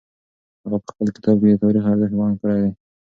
هغه په خپل کتاب کي د تاریخ ارزښت بیان کړی دی.